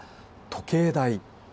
時計台